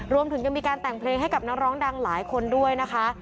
รวมถึงยังมีการแต่งเพลงให้กับนักร้องดังหลายคนด้วยนะคะ